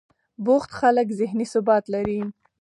بوخت خلک ذهني ثبات لري.